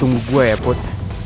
tunggu gue ya put